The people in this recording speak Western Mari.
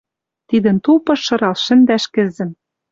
Тидӹн тупыш шырал шӹндӓш кӹзӹм